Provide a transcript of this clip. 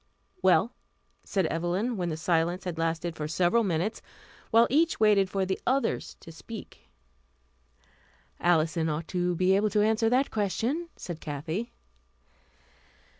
"Well?" said Evelyn, when the silence had lasted for several minutes while each waited for the others to speak. "Alison ought to be able to answer that question," said Kathy.